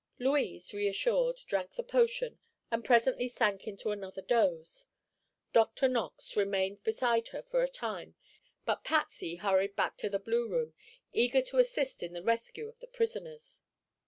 Louise, reassured, drank the potion and presently sank into another doze. Dr. Knox remained beside her for a time but Patsy hurried back to the blue room, eager to assist in the rescue of the prisoners.